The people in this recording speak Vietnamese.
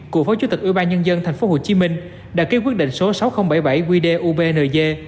cựu phó chú tịch ủy ban nhân dân tp hcm đã kêu quyết định số sáu nghìn bảy mươi bảy qdubnd